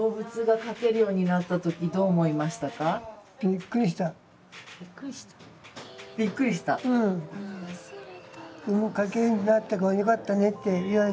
描けるようになったからよかったねって言われたの。